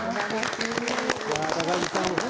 高木さん